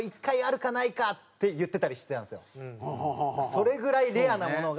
それぐらいレアなものが。